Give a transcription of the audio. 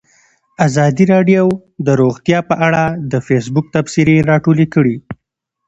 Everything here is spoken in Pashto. ازادي راډیو د روغتیا په اړه د فیسبوک تبصرې راټولې کړي.